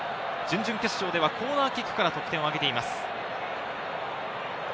準々決勝ではコーナーキックから得点をあげています。